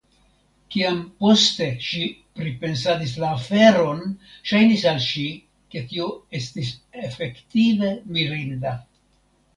Kiam poste ŝi pripensadis la aferon, ŝajnis al ŝi, ke tio estis efektive mirinda.